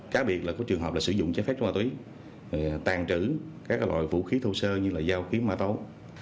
cá biệt là có trường hợp sử dụng chế phép trung tí tàn trữ các loại vũ khí thô sơ như dao kiếm mạ tấu